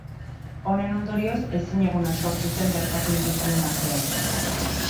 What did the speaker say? Honen ondorioz, ezinegona sortu zen bertako indigenen artean.